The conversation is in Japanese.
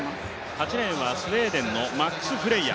８レーンはスウェーデンのマックス・フレイヤ。